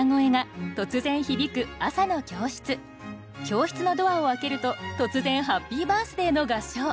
教室のドアを開けると突然「ハッピーバースデー」の合唱。